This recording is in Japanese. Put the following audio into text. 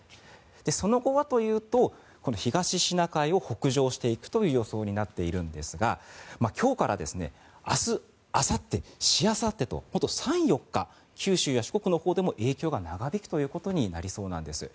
その後はというと東シナ海を北上していくという予想になっているんですが今日から明日、あさってしあさってと３４日九州や四国のほうでも影響が長引くということになりそうなんです。